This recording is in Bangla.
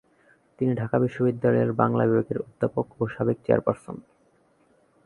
তিনি ঢাকা বিশ্ববিদ্যালয়ের বাংলা বিভাগের অধ্যাপক ও সাবেক চেয়ারপার্সন।